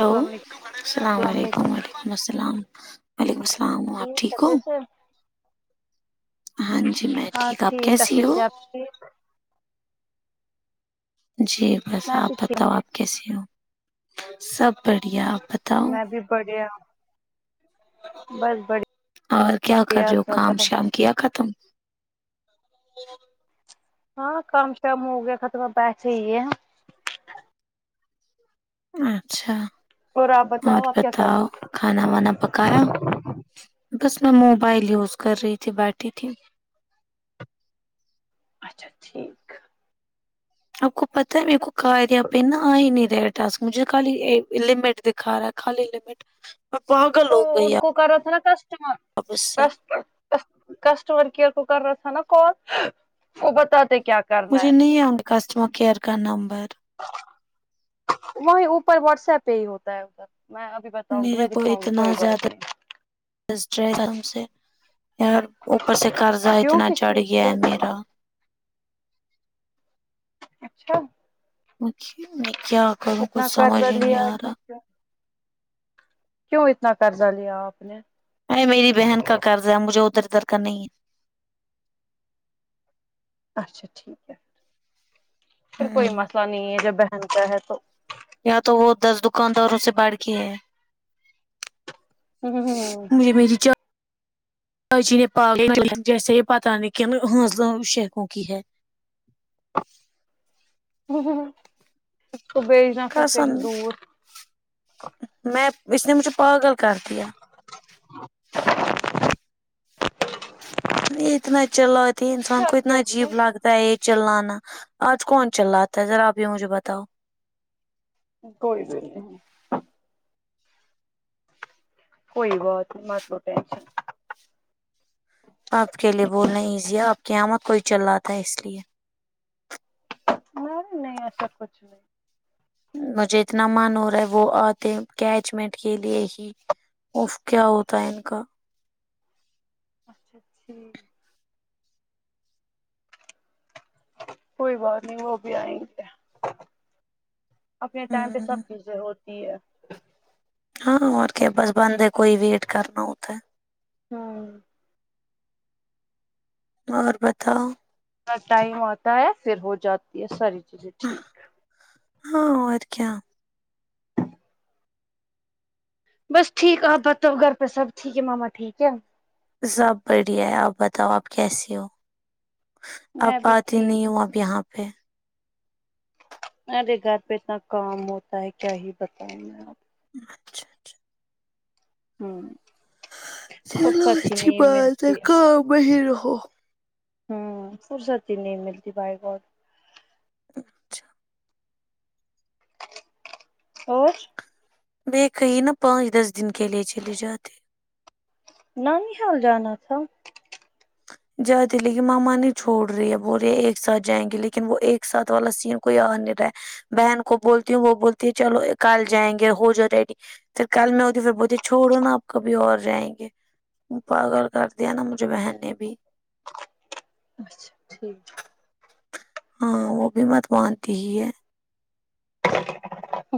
hello السلام علیکم السلام علیکم وعلیکم السلام وعلیکم السلام آپ ٹھیک ہو اچھے سے ہاں جی میں ٹھیک آپ کیسی ہو جی جی بس میں آپ بھی ٹھیک بتاؤ آپ کیسیے ہو سب بڑھیا آپ بتاؤ میں بھی بڑھیا بس اور کیا کر بڑھیا رہے ہو سب کام شام کیا ختم ہاں کم سےم ہو گیا خترمہ پیسے ہی ہے اچھا اور آپ اور آپ کیا کر رہے بتاؤ ہو کھانا وانا پکایا بس میں موبائل یوز کر رہی تھی بیٹھی تھی اچھا ٹھیک اپ کو پتہ م کو کاری آ پہین آئی نہیں رٹ تاسک مجھے خالی لمٹ دکھا رہا ہے خالی لمٹ میں پاگل تو ہو گئی ان کو کر رہا تھا نا کسٹمر آپ اس سے کسٹ کسٹمر کیئر کو کر رہا تھا نا کال وہ بتاتے کیا کرنا مجھے نہیں ہے ان کسٹمر کیئر کا نمبر وہی اوپر واٹس ایپ پہ ہی ہوتا ہے ادھر میں بھی پتاو میرے میں کو دکھاؤںی کوئی اتنا بات زیادہ نہیں اوپر سے قرضہ کیوں اتنا کس چڑھ چیز گیا کا ہے میرا اچھا کیا کروں اتنا کچھ سمجھ قرضہ ہی نہیں لیا ہے آ رہا کیا کیوں اتنا قرضہ لیا آپ نے ارے میری بہن کا قرض ہے مجھے ادھر ادھر کا نہیں اچھا ٹھیک ہے ہے پھر کوئی ہمم مسئلہ نہیں ہے جب بہن کا ہے تو یا تو وہ دس دکانداروں سے بڑ کے ہیں ہوں ہوں مجے میری چھ جی نے پا جیسے یہ پتہ نہیں کہن ہنسل شیخوں کی ہے ہ ہ قسند دور میں اس نے مجھے پاگل کر دیا اتنا چل رہاتے انسان کیا کو کیا اتنا اس نے عجیب لگتا یہ چللانا آج کون چلا تا ہے ذرا آپ یہ مجھے بتاؤ کوئی بھی نہیں کوئی بات مت لو ٹینشن آپ کے لیے بولنا ایزی ہے آپ کے یہاں کوئی چلا تا ہے اس لیے نہیں نہیں ایسا سب کچھ نہیں مجھے اتنا من ہو رہا ہے وہ آتے کیچمنٹ کے لیے ہی اف کیا ہوتا ہے ان کا اچھا ٹھیک کوئی بات نہیں وہ بھی آئیں گے اپنے ٹائم پہ سب ہمم چیزیں ہوتی ہے ہاں اور کیا بس اپنا بند ہے کوئی ویٹ کرنا ہوتا ہے ہاں اور بتاؤ ا ٹائم آتا ہے پھر ہو جاتی ہے ساری چیزیں ٹھیک ہاں اور کیا بس ٹھیک ہے آپ بتاؤ گھر پہ سب ٹھیک ہے ماما ٹھیک ہے سب بڑھیا ہے آپ بتاؤ آپ کیسی ہو میں آپ بھی آتی ٹھیک نہیں ہوں اب یہاں پہ ارے گھر پہ اتنا کام ہوتا ہے کیا ہی بتاؤں میں آپ اچھا اچھا ہوں چلو فرصت ہی اچھی نہیں بات ملتی کام مے ہی رہو ہوں فرصتی ہی نہیں ملتی بائی گاڈ اچھا اور دیکھ کہیں نا پانچ دس دن کے لیے چلے جاتے نانی حال جانا تھا جاتی لیکن ماما نہیں چھوڑ رہی ہے بول رہے ایک ساتھ جائیں گے لیکن وہ ایک ساتھ والا سین کوئی اور نہیں رہا بہن کو بولتی ہوں وہ بولتی ہے چلو کال جائیں گے ہو جا ریڈی پھر کل میں ہوتی پھر بولتی چھوڑو نا آپ کبھی اور جائیں گے پاگل کر دیا نا مجھے بہن نے بھی اچھا ٹھیک ہاں وہ بھی مت مانتی ہی ہے ہ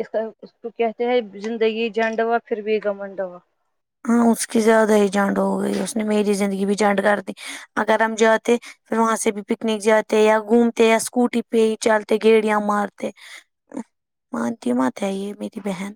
اس طرف اس کو کہتے ہیں زندگی جانڈ ہوا پھر بھی گمنڈا وا ہاں اس کی زیادہ ہی جانڈ ہو گئی اس نے میری زندگی بھی جانڈ کر دی اگر ہم جاتے پھر وہاں سے بھی پکنک جاتے یا گھومتے یا اسکوٹی پہ ہی چلتے گیڑیاں مارتے مانتی مت ہے یہ میری بہن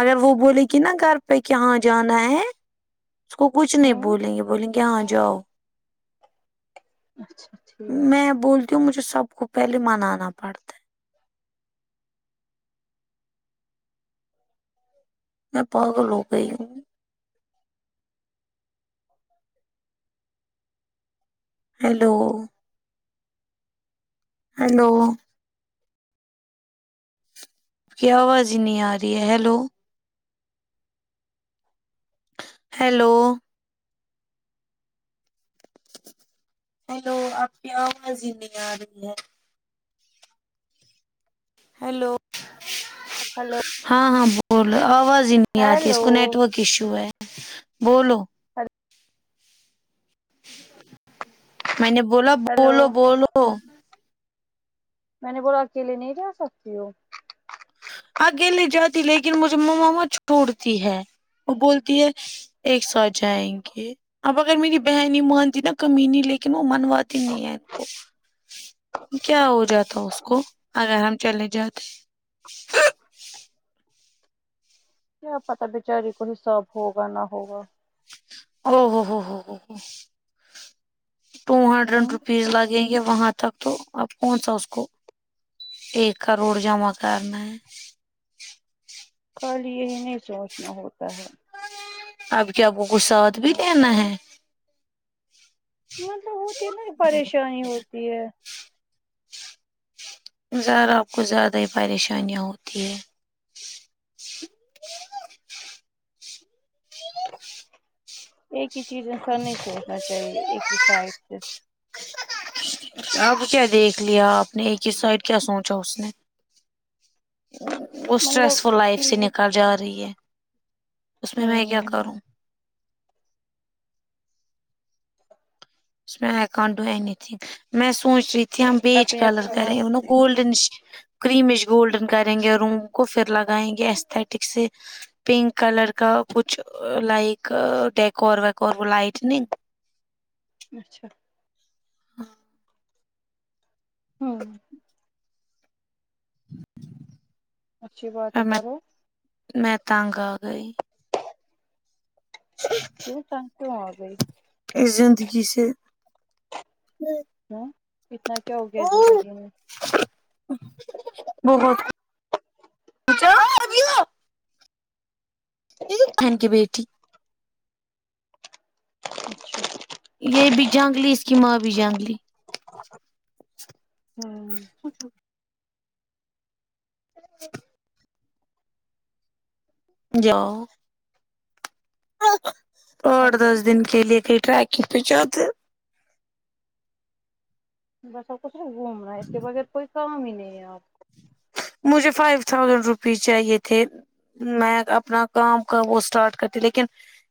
اگر وہ بولے گی نا گھر پہ کہاں جانا ہے اس کو کچھ نہیں ہوں بولیں گے بولیں گے کہ یہاں جاؤ اچھا ٹھیک میں بولتی ہوں مجھے سب کو پہلے منانا پڑتا ہے میں پاگل ہو گئی ہوں ہیلو ہیلو کی آواز نئی آ رہی ہے ہیلو ہیلو ہیلو آپ کی اواز ہی نہیں آ رہی ہے ہیلو ہلو ہاں ہاں بولو آواز ہی نہیں آتی ہے اس ہیلو کو نیٹورک ایشو ہے بولو میں نے بولا ہیلو بولو بولو میں نے بولا اکیلے نہیں جا سکتی ہو اکیلے جاتی لیکن مجھے ماما مت چھوڑتی ہے وہ بولتی ہے ایک ساتھ جائیں گے اب اگر میری بہن مانتی نا کمینی لیکن وہ منواتی نہیں ہے ان کو کیا ہو جاتا اس کو اگر ہم چلے جاتے کیا پتا بچاری کو حساب ہوگا نہ ہوگا ا ہو ہو ہو ہو ٹو ہنڈریڈ ہوں روپیز لگ یں گے وہاں تک تو اب کون سا اس کو ایک کروڑ جمع کرنا ہے کل یہی نہیں سوچنا ہوتا ہے اب کیا آپ کو کو ساتھ بھی دینا ہے مطلب ہوتی ہے نا ایک پریشانی ہوتی ہے ذرا آپ کو زیادہ ہی پریشانیاں ہوتی ہے ایک ہی چیز ان کا نہیں سوچنا چاہیے ایک ہی سائڈ سے آپ کو کیا دیکھ لیا آپ نے ایک ہی سائڈ کیا سوچا اس نے اس اسٹریس مطلب فل لائف سے ٹھیک نکل جا رہی ہے اس میں کیا ہوں کروں میں I can't do anything میں سوچ رہی ہم بیچ اپنی کلر اپنی کریں انو مرضی گولڈنش کریمش گولڈن کریں گے روم کو پھر لگائیں گے استٹک سے پنک کلر کا کچھ لائک ڈیکور ویکور وہ لائٹننگ اچھا ہاں ہاں اچھی بات ہے میں کرو میں تنگ آ گئی کیوں تنگ کیوں اگئی اس زندگی سے ہوں اتنا کیا ہو گیا زندگی میں بہت کچھ بہن کی بیٹی اچھا یہ بھی جنگلی اس کی ماں بھی جنگلی ہوں اچ [inaudible] جاؤ ہاں آٹھ جی دس دن کے لیے کہئی ٹرکنگ پے جاتے بس آپ کو صرف گھومنا ہے اس کے بغیر کوئی کام ہی نہیں ہے آپ مجھے فائیو تھاؤزینڈ روپیز چاہیے تھے میں اپنا کام کا وہ اسٹارٹ کرتی لیکن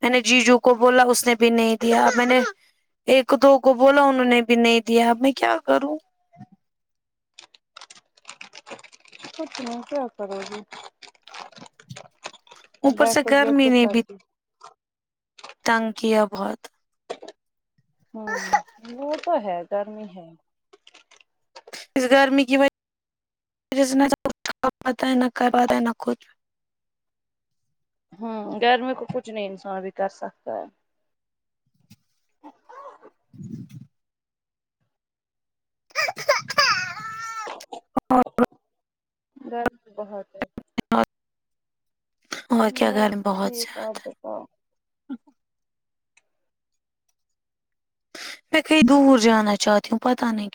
میں نے جیجو کو بولا اس نے بھی نہیں دیا میں نے ایک دو کو بولا انہوں نے بھی نہیں دیا اب میں کیا کروں کچھ نہیں کیا کرو گی اوپر سے بیٹھے اور جو گرمی چپ نے بھی کرتی تنگ کیا ہے بہت ہوں وہ تو ہے گرمی ہے اس گرمی کی وجہہ سے ہے نہ کہ پتہ ہے نہ کر پتہ ہے نہ کچھ ہوں گھر میں کو کچھ نہیں انسان بھی کر سکتا ہے ہ [inaudible] اور گرمی بہت ہے اور کیا بس گرمی بہت ٹھیک ہے آپ زیادہ بتاؤ میں کہیں دور جانا چاہتی ہوں پتا نہیں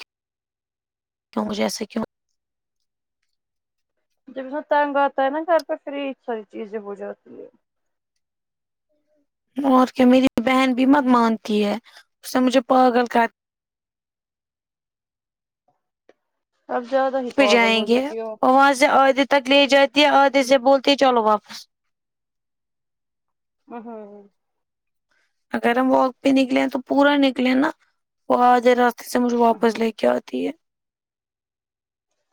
کیوں مجھے ایسا کیوں جب میں تنگ آتا ہے نا گھر پہ فری ساری چیزیں ہو جاتی ہے اور کیا میری بہن بھی مت مانتی ہے اس نے مجھے پاگل کر اب زیادہ پہ پاگل جائیں ہو گے جاتی ہو اور وہاں سے آدھے تک لے جاتی ہے آدھے سے بولتی ہے چلو واپس ا ہاں اگر ہم و ا ک پہ نکلے تو پورا نکلیں نا وہ آدھے راستے سے مجھ واپس ہ لے کے آتی ہے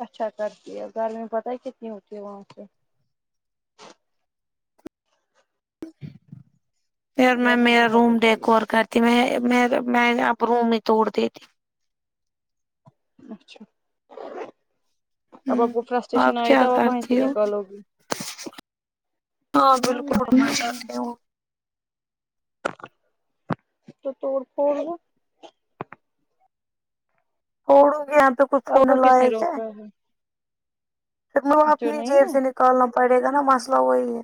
اچھا کرتی ہے گرمی پتہ ہے کتنی ہوتی ہے وہاں سے پھر میں گرمی میرا بہت روم ہوتی ہے ڈیکور کرتی میں میں اب روم ہی توڑ دیتی اچھا اب آپ ہوں کو فرسٹریشن آئی تو کیا اب آپ وہیں سے کرتی ہو نکالو گی ہاں ایان ب بالکل اڑنا چاہتی [unintelligible] ہوں تو توڑ پھوڑ دو پڑو گے یہاں پہ کچھ آپ فون کو لا کس ہے نے کیا روکا ہے پھر وہ جو اپنی نہیں جیب سے نکالنا پڑے گا نا مسئلہ وہی ہے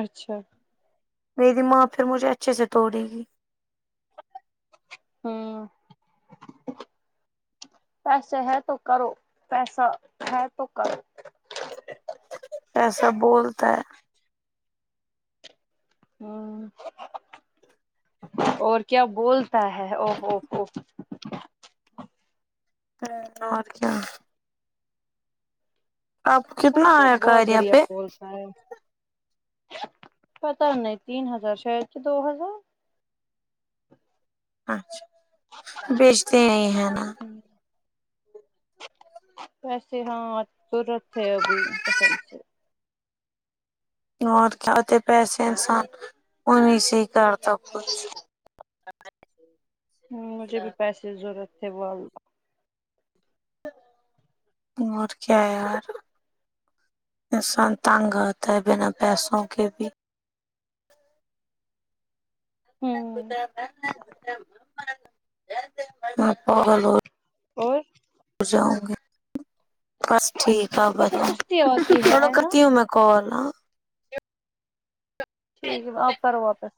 اچھا میری ماں پھر مجھے اچھے سے توڑے گی ہوں پیسے ہے تو کرو پیسا ہے تو کرو ایسا بولتا ہے ہ اور کیا بولتا ہے اووو ہ اور کیا آپ کتنا ایسا آیا بہت کاریا بڑھیا پہ بولتا ہے پتا نہیں تین ہزار شاید کہ دو ہزار اچھا بیچتے ہیں ہے نا ہاں ویسے ہاں ضرورت ہے ابھی پیسوں سے اور کیاتے پیسے انسان انیں سے ہی کرتاب کچھ ہمم مجھے بھی پیسے ضرورت تھے وہلہ اور کیا یار انسان تنگ رہتا ہے بنا پیسوں کے بھی میں پگل ہورہی ہوں اور جاؤں گی بس ٹھیک ہے اوپر سے بتاؤ سستی ہوتی ہے تھوڑو ہے نا کرتی ہوں میں کال ہا ٹھیک ہے آپ کرو واپس